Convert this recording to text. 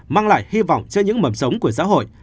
mang lại hy vọng cho những mầm sống của xã hội